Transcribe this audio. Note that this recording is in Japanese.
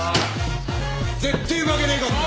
絶対負けねえかんな！